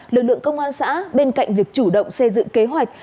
lực lượng công an xã bên cạnh việc chủ động xây dựng kế hoạch